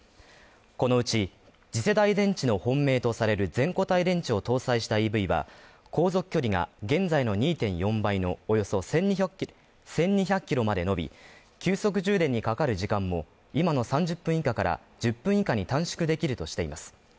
このうち、次世代電池の本命とされる全固体電池を搭載したＥＶは航続距離が現在の２．４倍のおよそ１２００キロまで伸び、急速充電にかかる時間も、今の３０分以下から、１０分以下に短縮できるとしています。